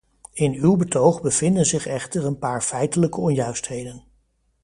In uw betoog bevinden zich echter een paar feitelijke onjuistheden.